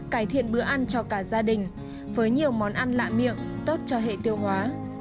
cải thiện bữa ăn cho cả gia đình với nhiều món ăn lạ miệng tốt cho hệ tiêu hóa